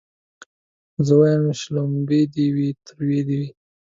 زه وايم شلومبې دي وي تروې دي وي